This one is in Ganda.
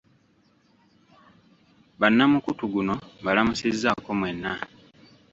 Bannamukutu guno mbalamusizzaako mwenna.